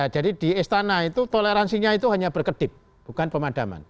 jadi di istana itu toleransinya itu hanya berkedip bukan pemadaman